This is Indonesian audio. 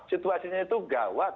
situasinya itu gawat